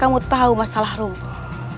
kamu tahu masalah rumah